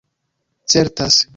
certas